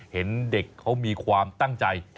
เห็นเด็กเขามีความตั้งใจ